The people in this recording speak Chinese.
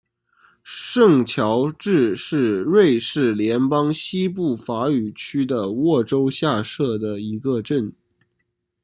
圣乔治是瑞士联邦西部法语区的沃州下设的一个镇。